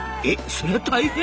そりゃ大変！